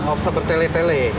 gak usah bertele tele